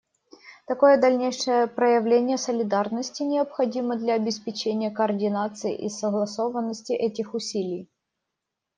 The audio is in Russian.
Такое дальнейшее проявление солидарности необходимо для обеспечения координации и согласованности этих усилий.